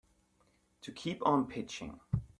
To keep on pitching.